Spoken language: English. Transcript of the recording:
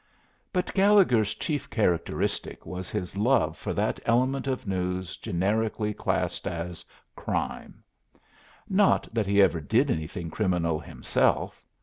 But Gallegher's chief characteristic was his love for that element of news generically classed as "crime." Not that he ever did anything criminal himself.